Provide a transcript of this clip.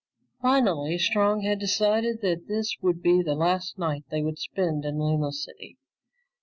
Finally, Strong had decided that this would be the last night they would spend in Luna City.